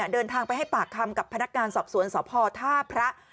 เดินทางไปให้ปากคำกับพนักงานสอบสวนสพท่าพระ